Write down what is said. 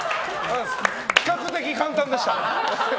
比較的簡単でした。